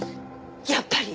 やっぱり？